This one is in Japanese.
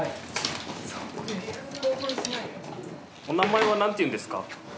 お名前は何ていうんですか？